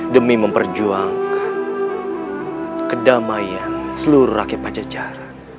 demi memperjuangkan kedamaian seluruh rakyat pacecar